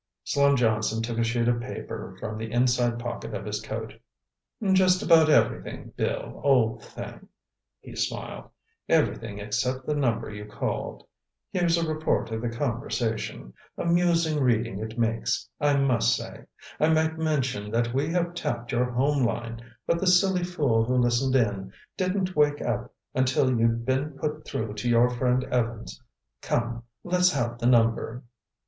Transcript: Slim Johnson took a sheet of paper from the inside pocket of his coat. "Just about everything, Bill, old thing," he smiled. "Everything except the number you called. Here's a report of the conversation. Amusing reading it makes, I must say. I might mention that we have tapped your home line, but the silly fool who listened in didn't wake up until you'd been put through to your friend Evans. Come, let's have the number!"